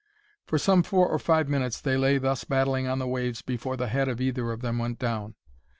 For some four or five minutes they lay thus battling on the waves before the head of either of them went down.